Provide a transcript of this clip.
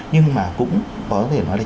nhưng mà cũng có thể nói là